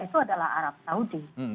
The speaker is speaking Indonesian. itu adalah arab saudi